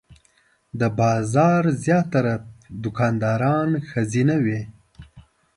د بازار زیاتره دوکانداران ښځینه وې.